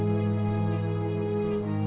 tapi secara berada di kabin